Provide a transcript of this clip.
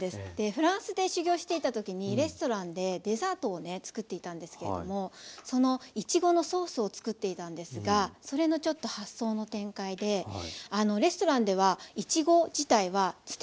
フランスで修業していた時にレストランでデザートをねつくっていたんですけれどもそのいちごのソースをつくっていたんですがそれのちょっと発想の展開でレストランではいちご自体は捨ててしまってたんですよね。